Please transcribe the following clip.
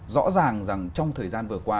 rõ ràng rằng trong thời gian vừa qua